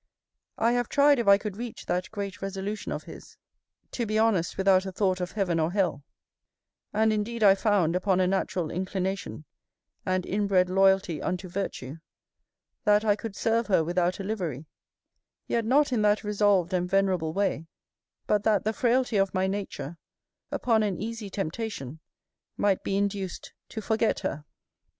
I have tried if I could reach that great resolution of his, to be honest without a thought of heaven or hell; and, indeed I found, upon a natural inclination, and inbred loyalty unto virtue, that I could serve her without a livery, yet not in that resolved and venerable way, but that the frailty of my nature, upon an easy temptation, might be induced to forget her.